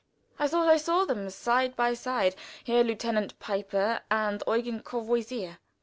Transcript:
I thought I saw them side by side Herr Lieutenant Pieper and Eugen Courvoisier.